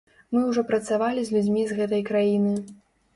Мы ўжо працавалі з людзьмі з гэтай краіны.